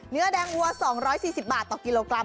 เนื้อแดงวัว๒๔๐บาทต่อกิโลกรัม